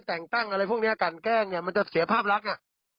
แต่งตั้งอะไรพวกนี้กันแกล้งเนี่ยมันจะเสียภาพลักษณ์อ่ะ